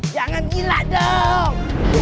jangan gila dong